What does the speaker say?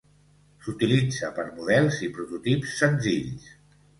S'utilitza per models i prototips senzills.